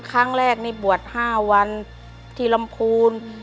ครั้งแรกนี่บวช๕วันที่ลำพูน